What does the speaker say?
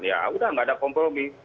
ya sudah tidak ada kompromi